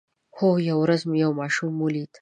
هو، یوه ورځ مې یو ماشوم ولید